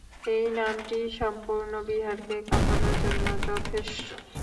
এই নামটিই সম্পূর্ণ বিহারকে কাঁপানোর জন্য যথেষ্ট।